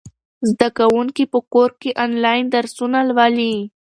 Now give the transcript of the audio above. زده کوونکي په کور کې آنلاین درسونه لولي.